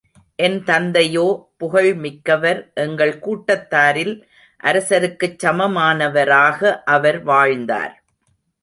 என் தந்தையோ புகழ் மிக்கவர் எங்கள் கூட்டத்தாரில் அரசருக்குச் சமமானவராக அவர் வாழ்ந்தார்.